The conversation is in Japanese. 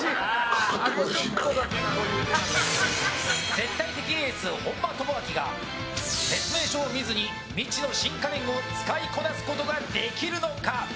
絶対的エース、本間朋晃が説明書を見ずに未知の新家電を使いこなすことができるのか。